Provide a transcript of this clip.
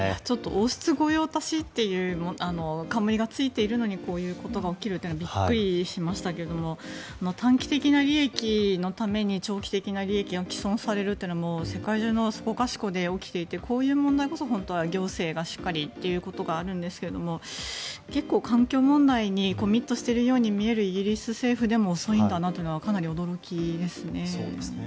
王室御用達っていう冠がついているのにこういうことが起きるっていうのはびっくりしましたけども短期的な利益のために長期的な利益が毀損されるというのは世界中のそこかしこで起きていてこういう問題こそ本当は行政がしっかりということがあるんですが結構、環境問題にコミットしているように見えるイギリス政府でも遅いんだなというのはかなり驚きですね。